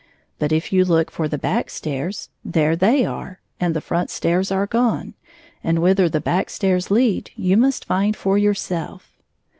But if you look for the back stairs, there they are, and the fi ont stairs are gone, and whither the back stairs lead, you must find for yourself.